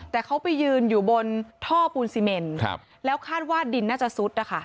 แต่เขาไปยืนอยู่บนท่อปูนซีเมนแล้วคาดว่าดินน่าจะซุดนะคะ